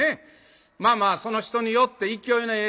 まあまあその人によって勢いのええ